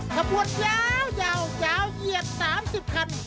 ขบวนยาวยาวเหยียด๓๐คัน